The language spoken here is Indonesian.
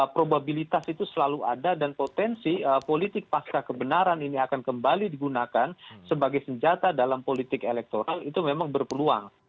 probabilitas itu selalu ada dan potensi politik pasca kebenaran ini akan kembali digunakan sebagai senjata dalam politik elektoral itu memang berpeluang